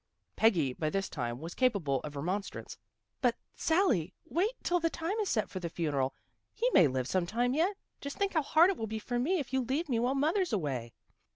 Peggy by this time was capable of remon strance. " But, Sally, wait till the time is set for the funeral. He may live some time yet. Just think how hard it will be for me if you leave me while mother's away."